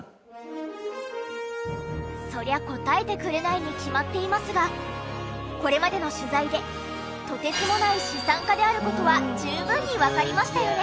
そりゃ答えてくれないに決まっていますがこれまでの取材でとてつもない資産家である事は十分にわかりましたよね？